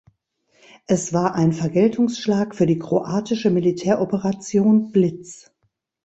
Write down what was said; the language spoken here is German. Es war ein Vergeltungsschlag für die kroatische Militäroperation Blitz.